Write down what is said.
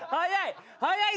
早い！